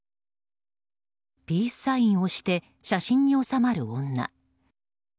ピースサインをして写真に納まる女。